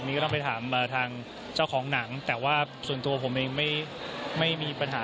ก็ต้องไปถามทางเจ้าของหนังแต่ว่าส่วนตัวผมเองไม่มีปัญหา